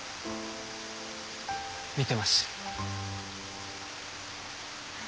見てます。